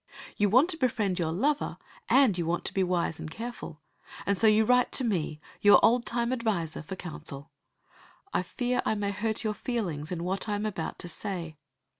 You want to befriend your lover, and you want to be wise and careful, and so you write to me, your old time adviser, for counsel. I fear I may hurt your feelings in what I am about to say.